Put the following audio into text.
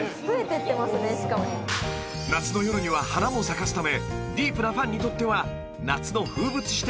［夏の夜には花も咲かすためディープなファンにとっては夏の風物詩的